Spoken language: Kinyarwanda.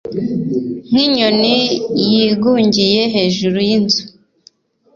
nk’inyoni yigungiye hejuru y’inzu